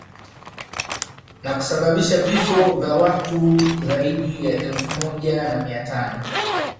Na kusababisha vifo vya watu zaidi ya elfu moja na mia tano